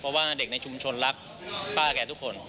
เพราะว่าเด็กในชุมชนรักป้าแกทุกคน